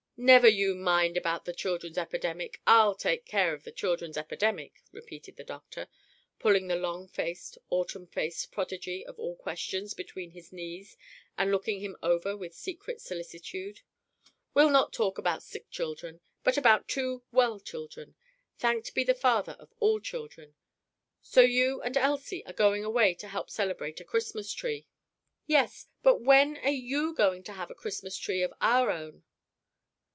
"Never you mind about the children's epidemic! I'll take care of the children's epidemic," repeated the doctor, pulling the long faced, autumn faced prodigy of all questions between his knees and looking him over with secret solicitude. "We'll not talk about sick children, but about two well children thanked be the Father of all children! So you and Elsie are going away to help celebrate a Christmas Tree." "Yes; but when are you going to have a Christmas Tree of our own?"